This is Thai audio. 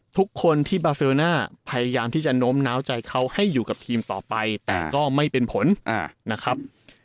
ทุกคนที่บาเซลน่าพยายามที่จะโน้มน้าวใจเขาให้อยู่กับทีมต่อไปแต่ก็ไม่เป็นผลนะครับ